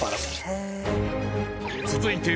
［続いて］